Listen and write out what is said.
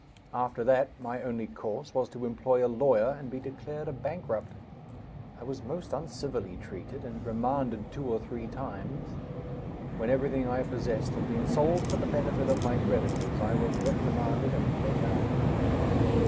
After that, my only course was to employ a lawyer and be declared a bankrupt. I was most uncivilly treated, and remanded two or three times. When everything I possessed had been sold for the benefit of my creditors, I was reprimanded and let out.